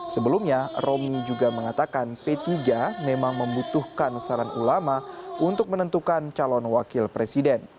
sebelumnya romi juga mengatakan p tiga memang membutuhkan saran ulama untuk menentukan calon wakil presiden